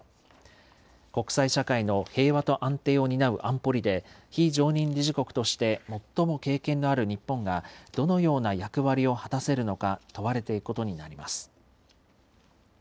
国際社会の平和と安定を担う安保理で、非常任理事国として最も経験のある日本がどのような役割を果たせるのか、問われていくことになります。